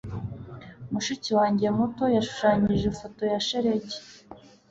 Mushiki wanjye muto yashushanyije ifoto ya shelegi.